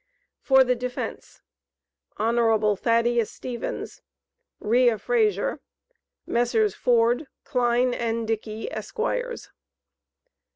For the defence Hon. Thaddeus Stevens, Reah Frazer, Messrs. Ford, Cline, and Dickey, Esquires.